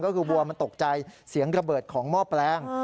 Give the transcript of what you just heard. ก็คือวัวมันตกใจเสียงระเบิดของหม้อแปลง